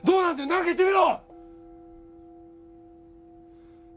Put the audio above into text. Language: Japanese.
何か言ってみろ！